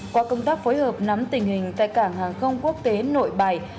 qua công tác phối hợp nắm tình hình tại cảng hàng không quốc tế nội bài